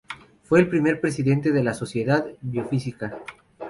Fue el primer presidente de la Sociedad Biofísica.